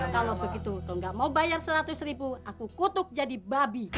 kalau begitu kau gak mau bayar seratus ribu aku kutuk jadi babi